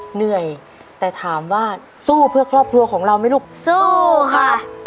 เหนื่อยแต่ถามว่าสู้เพื่อครอบครัวของเราไหมลูกสู้ค่ะ